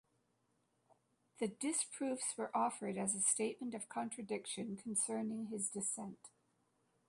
The disproofs were offered as a statement of contradiction concerning his descent.